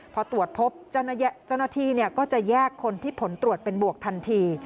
พอตรวจพบเจ้าหน้าที่ก็จะแยกคนที่ผลตรวจเป็นบวกทันที